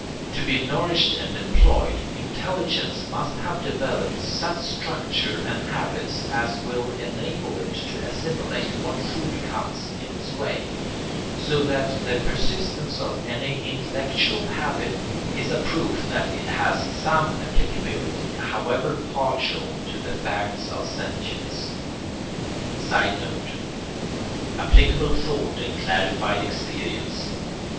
To be nourished and employed, intelligence must have developed such structure and habits as will enable it to assimilate what food comes in its way; so that the persistence of any intellectual habit is a proof that it has some applicability, however partial, to the facts of sentience. [Sidenote: Applicable thought and clarified experience.